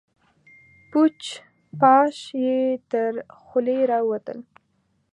پوچ، پاش يې تر خولې راوتل.